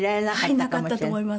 なかったと思います